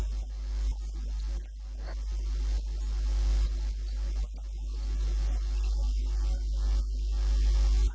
มาแล้ว